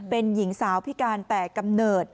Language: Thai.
เป็นหญิงสาวพิการแต่กำเนิด